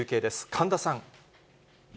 神田さん。